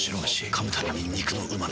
噛むたびに肉のうま味。